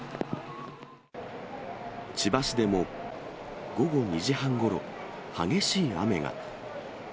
千葉市でも、午後２時半ごろ、激しい雨が。